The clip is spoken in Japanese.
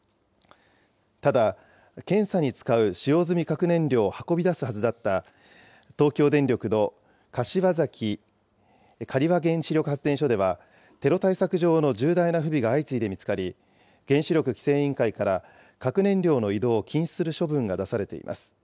ただ、検査に使う使用済み核燃料を運び出すはずだった、東京電力の柏崎刈羽原子力発電所では、テロ対策上の重大な不備が相次いで見つかり、原子力規制委員会から核燃料の移動を禁止する処分が出されています。